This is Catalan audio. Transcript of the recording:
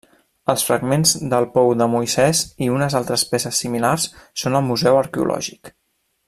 Els fragments del Pou de Moisès i unes altres peces similars són al Museu Arqueològic.